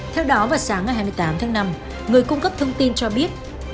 theo đó vào sáng ngày hai mươi tám tháng năm người cung cấp thông tin cho biết